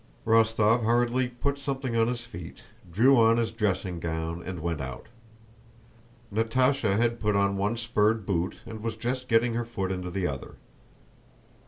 Rostóv hurriedly put something on his feet, drew on his dressing gown, and went out. Natásha had put on one spurred boot and was just getting her foot into the other.